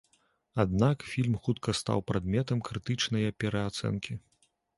Аднак, фільм хутка стаў прадметам крытычнае пераацэнкі.